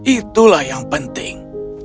itulah yang penting